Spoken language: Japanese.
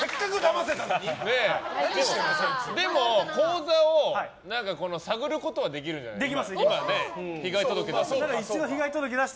でも、口座を探ることはできるじゃないですか。